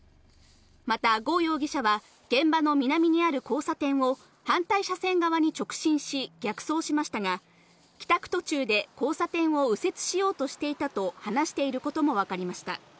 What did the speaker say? また呉容疑者は現場の南にある交差点を反対車線側に直進し、逆走しましたが、帰宅途中で交差点を右折しようとしていたと話していることもわかりました。